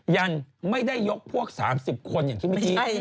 ยันไม่ได้ยกพวก๓๐คนอย่างที่วิธี